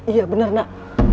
iya benar nak